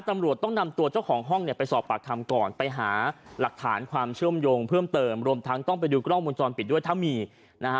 ตำรวจต้องนำตัวเจ้าของห้องเนี่ยไปสอบปากคำก่อนไปหาหลักฐานความเชื่อมโยงเพิ่มเติมรวมทั้งต้องไปดูกล้องวงจรปิดด้วยถ้ามีนะฮะ